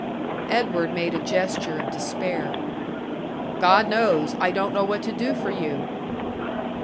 Edward made a gesture of despair. "God knows, I don't know what to do for you!"